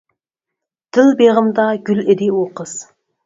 دىل بېغىمدا گۈل ئىدى ئۇ قىز.